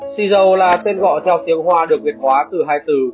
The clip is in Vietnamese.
xì dầu là tên gọi theo tiêu hoa được việt hóa từ hai từ